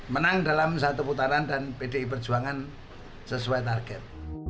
menang dalam satu putaran dan pdi perjuangan sesuai target